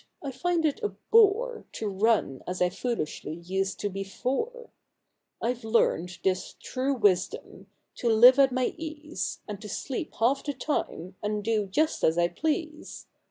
T find it a bore To run as I foolishly used to before ! I ve learned this true wisdom, — to live at my ease, And to sleep half the time, and do just as I please!